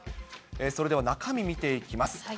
それでは中身、見ていきます。